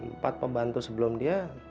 empat pembantu sebelum dia